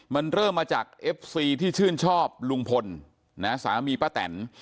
มันเริ่มมาจากเอฟซีที่ชื่นชอบลุงพลนะสามีป้าแตน